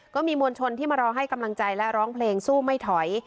ก็มีมวลชนที่มารอให้กำลังใจและร้องเพลงสู้ไม่ถอย